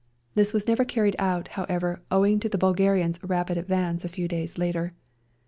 This was never carried out, however, owing to the Bul garians' rapid advance a few days later.